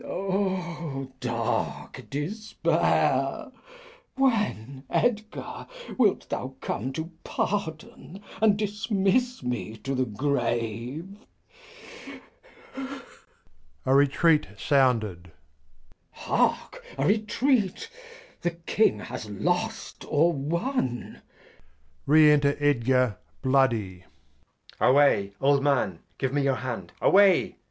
O dark Despair! When, Edgar, wilt thou come To pardon, and dismiss me to the Grave ? [A Retreat sounded. Heark ! A Retreat, the King has lost, or Won. Re enter Edgar, bloody. Edg. Away, old Man, give me your Hand, away!